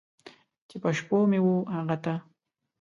چې په شپو مې و هغه ته!